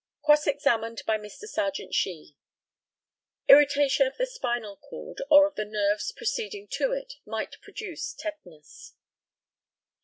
Cross examined by Mr. Serjeant SHEE: Irritation of the spinal cord or of the nerves proceeding to it might produce tetanus.